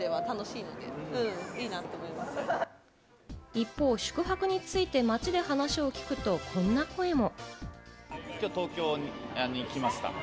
一方、宿泊について街で話を聞くと、こんな声も。